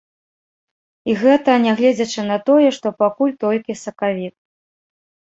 І гэта нягледзячы на тое, што пакуль толькі сакавік.